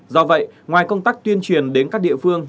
do vậy ngoài công tác tuyên truyền đến các địa phương